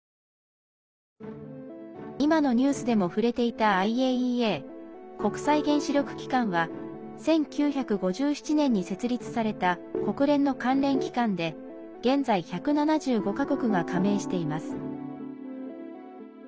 今のニュースでも触れていたＩＡＥＡ＝国際原子力機関は１９５７年に設立された国連の関連機関で現在１７５か国が加盟しています。